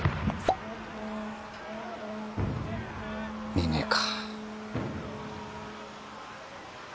見ねえか。